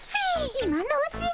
今のうちに。